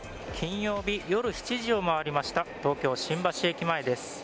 金曜日、夜７時を回りました東京、新橋駅前です。